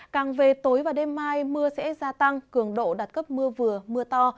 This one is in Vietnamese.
càng về tối và đêm mai mưa sẽ gia tăng cường độ đạt cấp mưa vừa mưa to